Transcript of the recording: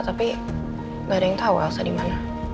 tapi gak ada yang tau elsa dimana